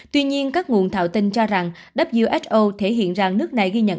tuy nhiên các nguồn thạo tin cho rằng who thể hiện rằng nước này ghi nhận